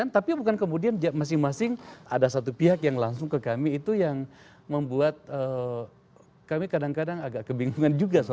tapi bukan kemudian masing masing ada satu pihak yang langsung ke kami itu yang membuat kami kadang kadang agak kebingungan juga